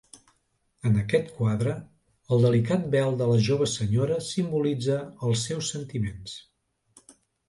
En aquest quadre, el delicat vel de la jove senyora simbolitza els seus sentiments.